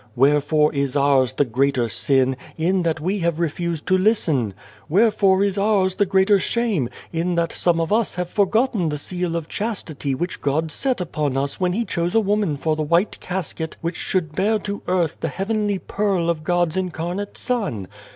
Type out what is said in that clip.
Wherefore is ours the greater sin, in that we have refused to listen. Where fore is ours the greater shame, in that some of 291 A World us have forgotten the seal of chastity which God set upon us when He chose a woman for the white casket which should bear to earth the Heavenly Pearl of God's incarnate Son.